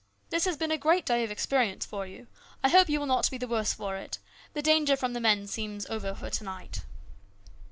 This has been a great day of experience for you. I hope you will not be the worse for it. The danger from the men seems over for to night."